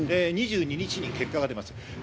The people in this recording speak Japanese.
２２日に結果が出ます。